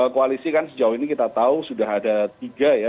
koalisi kan sejauh ini kita tahu sudah ada tiga ya